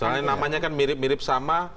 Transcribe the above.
soalnya namanya kan mirip mirip sama